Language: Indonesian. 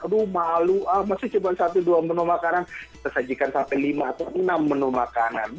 aduh malu ah masih cuma satu dua menu makanan kita sajikan sampai lima atau enam menu makanan